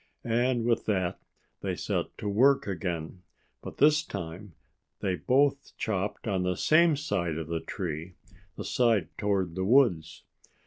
And with that they set to work again. But this time they both chopped on the same side of the tree the side toward the woods.